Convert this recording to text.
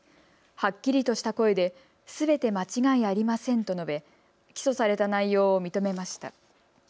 はっきりとした声ですべて間違いありませんと述べ起訴された内容を認めました。